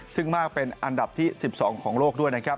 ซึ่งมากเป็นอันดับที่๑๒ของโลกด้วยนะครับ